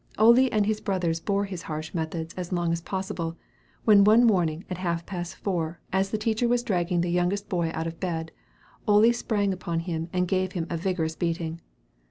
Ole and his brothers bore his harsh methods as long as possible, when one morning at half past four, as the teacher was dragging the youngest boy out of bed, Ole sprang upon him and gave him a vigorous beating.